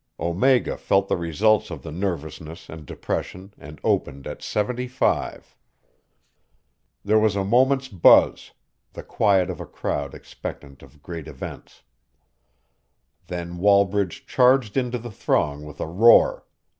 Omega felt the results of the nervousness and depression, and opened at seventy five. There was a moment's buzz the quiet of a crowd expectant of great events. Then Wallbridge charged into the throng with a roar.